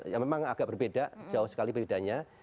ya memang agak berbeda jauh sekali bedanya